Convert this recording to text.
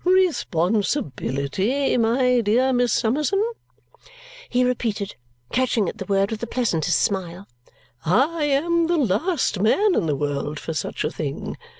"Responsibility, my dear Miss Summerson?" he repeated, catching at the word with the pleasantest smile. "I am the last man in the world for such a thing.